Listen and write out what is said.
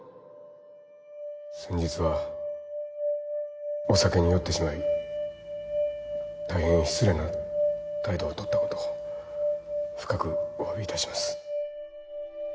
先日はお酒に酔ってしまい大変失礼な態度をとったことを深くおわびいたします